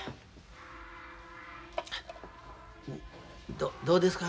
どどうですか？